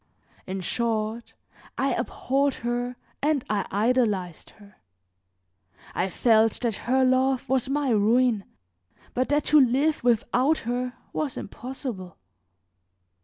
In short, I abhorred her and I idolized her; I felt that her love was my ruin, but that to live without her was impossible.